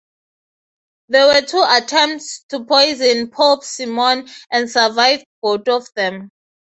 There were two attempts to poison Pope Simeon and he survived both of them.